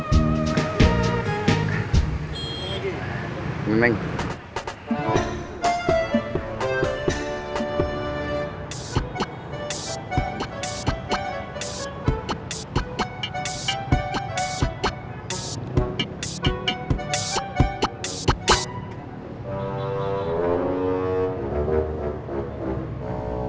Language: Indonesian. sama ketanen sama lagi dong